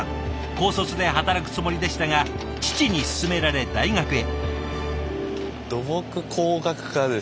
高卒で働くつもりでしたが父に勧められ大学へ。